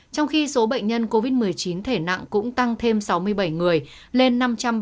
trong khi số bệnh nhân covid một mươi chín thể nặng cũng tăng thêm sáu mươi bảy người lên năm trăm ba mươi